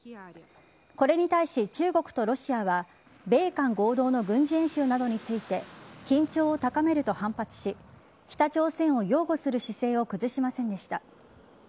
これに対し中国とロシアは米韓合同の軍事演習などについて緊張を高めると反発し北朝鮮を擁護する姿勢を崩しませんでした。